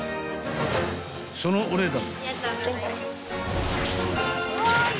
［そのお値段］